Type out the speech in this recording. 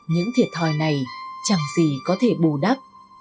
những thiệt thòi này chẳng gì có thể bù đắp